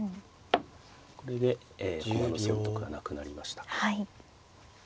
これで駒の損得がなくなりました。